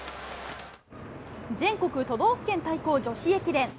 全国都道府県対抗女子駅伝。